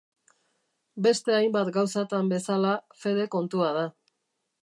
Beste hainbat gauzatan bezala, fede kontua da.